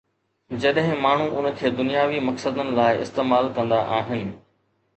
جڏهن ماڻهو ان کي دنياوي مقصدن لاءِ استعمال ڪندا آهن.